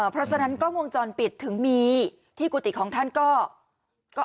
เพราะฉะนั้นกล้องวงจรปิดถึงมีที่กุฏิของท่านก็